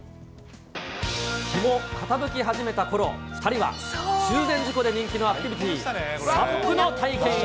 日も傾き始めたころ、２人は中禅寺湖で人気のアクティビティー、サップの体験へ。